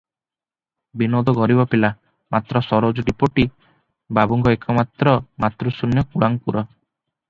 ବିନୋଦ ଗରିବ ପିଲା; ମାତ୍ର ସରୋଜ ଡିପୋଟି ବାବୁଙ୍କ ଏକମାତ୍ର ମାତୃଶୂନ୍ୟ କୁଳାଙ୍କୁର ।